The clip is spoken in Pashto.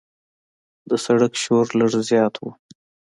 د سړک شور لږ زیات و.